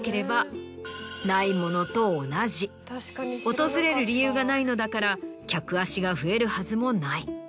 訪れる理由がないのだから客足が増えるはずもない。